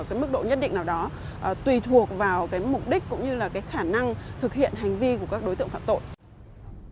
ở mức độ nhất định nào đó tùy thuộc vào mục đích cũng như khả năng thực hiện hành vi của các đối tượng phạm tội